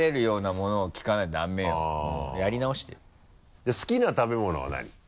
じゃあ好きな食べ物は何？